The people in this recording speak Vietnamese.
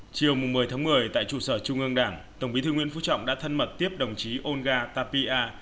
chiều một mươi tháng một mươi tại chủ sở trung ương đảng tổng curiosity nguyễn phúc trọng đã thân mật tiếp đồng chí olga tapia